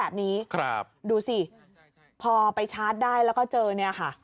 แล้วก็เข้าไปชาร์จแบบนี้ดูสิพอไปชาร์จได้แล้วก็เจอเนี่ยค่ะ